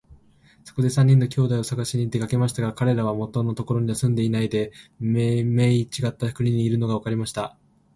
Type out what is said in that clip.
そこで三人の兄弟をさがしに出かけましたが、かれらは元のところには住んでいないで、めいめいちがった国にいるのがわかりました。